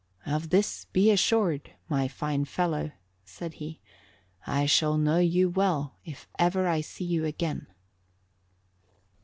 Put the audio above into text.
"Of this be assured, my fine fellow," said he, "I shall know you well if ever I see you again."